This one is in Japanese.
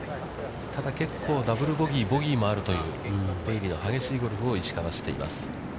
ただ、結構、ダブル・ボギー、ボギーもあるという、出入りの激しいゴルフを石川はしています。